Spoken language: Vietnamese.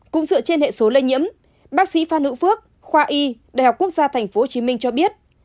cũng dựa trên hệ số lây nhiễm bác sĩ phan hữu phước khoa y đại học quốc gia tp hcm cho biết